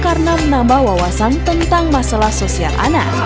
karena menambah wawasan tentang masalah sosial anak